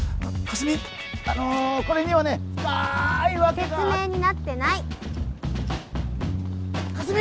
すみあのこれにはね深い訳が説明になってないかすみ！